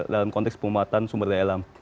dalam konteks penguatan sumber daya alam